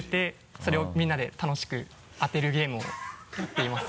それをみんなで楽しく当てるゲームをやっています。